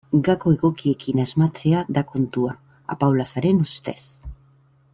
Gako egokiekin asmatzea da kontua, Apaolazaren ustez.